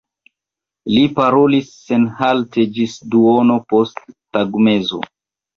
Li parolis senhalte ĝis duono post tagmezo.